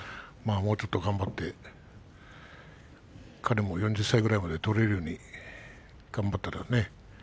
もうちょっと頑張って彼も４０歳ぐらいまで取れるように頑張ったらね